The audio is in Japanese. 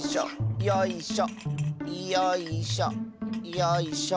よいしょ。